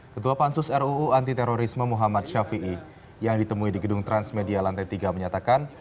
ketua pansus ruu antiterorisme muhammad shafi'i yang ditemui di gedung transmedia lantai tiga menyatakan